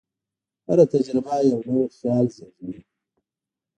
هره تجربه یو نوی خیال زېږوي.